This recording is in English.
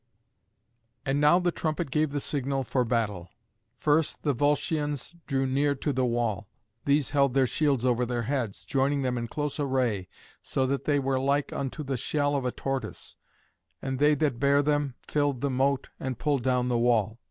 And now the trumpet gave the signal for battle. First the Volscians drew near to the wall. These held their shields over their heads, joining them in close array so that they were like unto the shell of a tortoise, and they that bare them filled the moat and pulled down the wall.